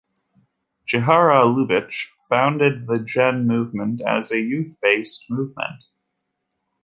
Chiara Lubich founded the Gen Movement as a youth based movement.